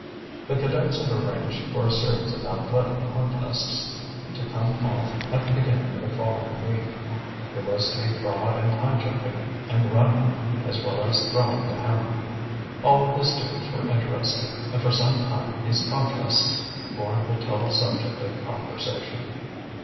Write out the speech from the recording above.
The cadets had arranged for a series of athletic contests, to come off at the beginning of the following week. There was to be broad and high jumping, and running, as well as throwing the hammer. All of the students were interested, and for some time these contests formed the total subject of conversation.